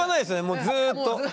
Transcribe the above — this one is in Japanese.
もうずっと。